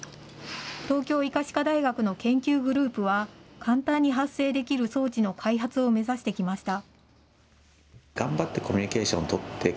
東京医科歯科大学の研究グループは、簡単に発声できる装置の開発を目指してきました。